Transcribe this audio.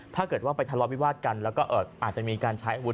ถ้าเกิดว่าไปทะเลาะวิวาสกันแล้วก็อาจจะมีการใช้อาวุธ